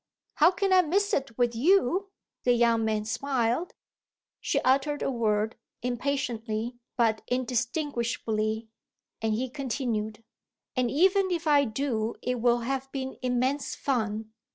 "How can I miss it with you?" the young man smiled. She uttered a word, impatiently but indistinguishably, and he continued: "And even if I do it will have been immense fun."